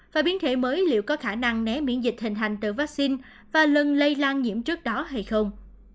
và biến thể mới liệu có khả năng né miễn dịch hình hành từ vaccine và lần lây lan nhiễm trước đó hay không